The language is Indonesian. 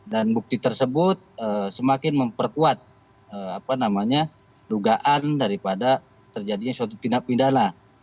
dan bukti tersebut semakin memperkuat dugaan daripada terjadinya suatu tindak pindah